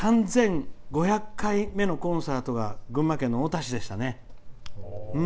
３５００回目のコンサートが群馬県の太田市でしたね。